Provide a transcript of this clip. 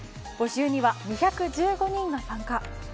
募集には２１５人が参加。